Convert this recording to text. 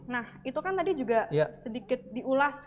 nah itu kan tadi juga sedikit diulas